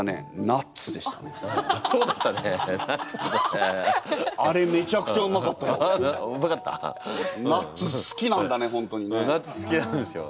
ナッツ好きなんですよ。